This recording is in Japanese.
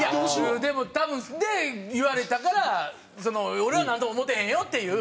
でも多分言われたから「俺はなんとも思ってへんよ」っていう。